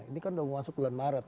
ini kan sudah masuk bulan maret